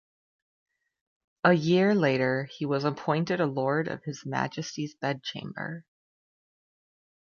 A year later, he was appointed a lord of His Majesty's bedchamber.